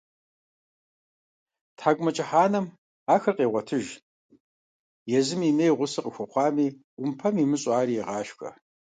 ТхьэкIумэкIыхь анэм ахэр къегъуэтыж, езым имеи гъусэ къахуэхъуами, Iумпэм имыщIу, ари егъашхэ.